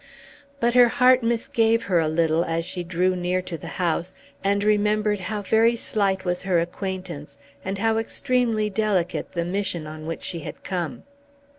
But her heart misgave her a little as she drew near to the house, and remembered how very slight was her acquaintance and how extremely delicate the mission on which she had come.